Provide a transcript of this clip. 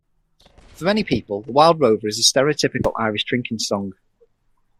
For many people, the Wild Rover is the stereotypical Irish drinking song.